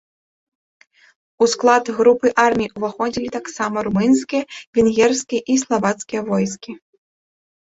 У склад групы армій уваходзілі таксама румынскія, венгерскія і славацкія войскі.